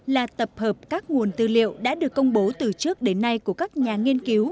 là tập hợp các nguồn tư liệu đã được công bố từ trước đến nay của các nhà nghiên cứu